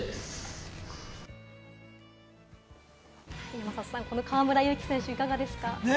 山里さん、この河村勇輝選手、いかがですか？